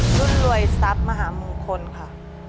รุ่นรวยทรัพย์มหามงคลค่ะ